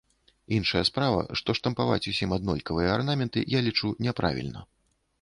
Іншая справа, што штампаваць усім аднолькавыя арнаменты, я лічу, няправільна.